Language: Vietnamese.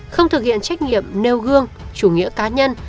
không thực hiện trách nhiệm nêu gương chủ nghĩa cá nhân